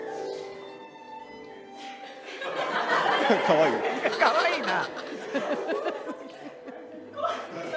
かわいいな。